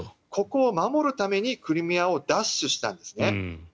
ここを守るためにクリミアを奪取したんですね。